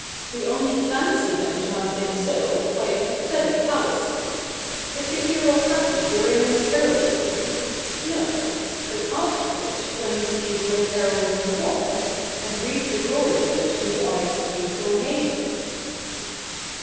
We only fancy them to have been so by a pathetic fallacy. Is the hero happy during his heroism ? No, but after it, when he sees what his heroism was, and reads the glory of it in the eyes of youth or maiden.'